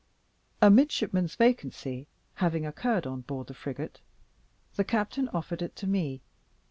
A midshipman's vacancy having occurred on board the frigate, the captain offered it to me.